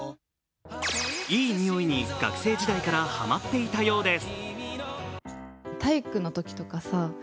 いい匂いに学生時代からハマっていたようです。